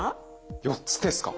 ４つですか。